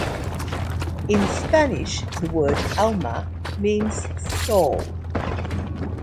In Spanish the word "alma" means soul.